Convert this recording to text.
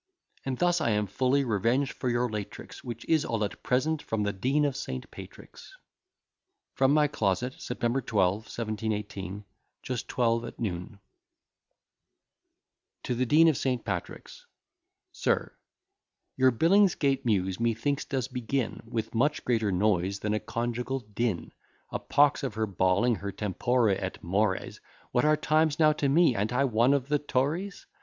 And thus I am fully revenged for your late tricks, Which is all at present from the DEAN OF ST. PATRICK'S. From my closet, Sept, 12, 1718, just 12 at noon. [Footnote 1: Ut tu perperàm argumentaris. Scott.] TO THE DEAN OF ST. PATRICK'S SIR, Your Billingsgate Muse methinks does begin With much greater noise than a conjugal din. A pox of her bawling, her tempora et mores! What are times now to me; a'nt I one of the Tories?